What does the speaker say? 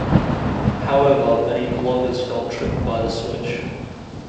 However, many bloggers felt tricked by the switch.